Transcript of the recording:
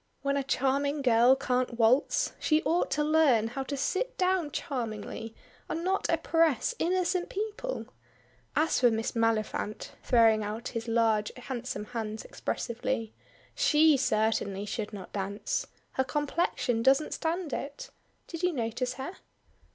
When a charming girl can't waltz, she ought to learn how to sit down charmingly, and not oppress innocent people. As for Miss Maliphant!" throwing out his large handsome hands expressively, "she certainly should not dance. Her complexion doesn't stand it. Did you notice her?"